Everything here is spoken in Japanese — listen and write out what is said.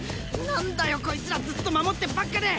なんだよこいつらずっと守ってばっかで。